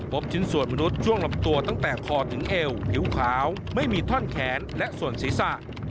ชิ้นส่วนมนุษย์ช่วงลำตัวตั้งแต่คอถึงเอวผิวขาวไม่มีท่อนแขนและส่วนศีรษะ